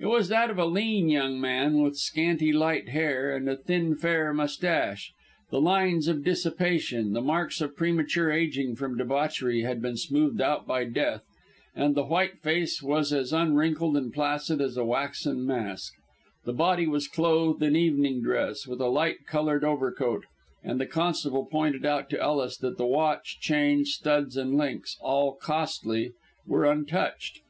It was that of a lean young man with scanty light hair, and a thin, fair moustache. The lines of dissipation, the marks of premature ageing from debauchery, had been smoothed out by death, and the white face was as unwrinkled and placid as a waxen mask. The body was clothed in evening dress, with a light coloured overcoat, and the constable pointed out to Ellis that the watch, chain, studs and links all costly were untouched.